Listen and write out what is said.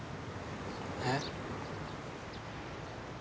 えっ？